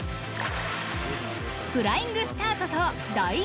フライングスタートと第１